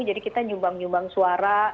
jadi kita nyumbang nyumbang suara